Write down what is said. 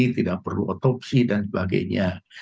tidak perlu otopsi dan sebagainya